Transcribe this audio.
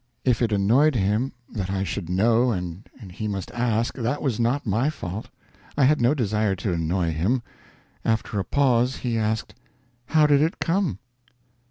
If it annoyed him that I should know and he must ask; that was not my fault; I had no desire to annoy him. After a pause he asked: "How did it come?"